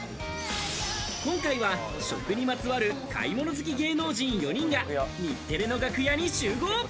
今回は食にまつわる買い物好き芸能人４人が日テレの楽屋に集合。